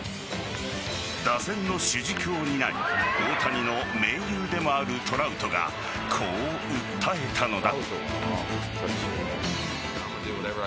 打線の主軸を担い大谷の盟友でもあるトラウトがこう訴えたのだ。